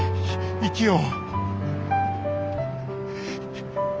生きよう。